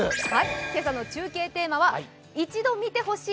今朝の中継テーマは「一度見てほしい！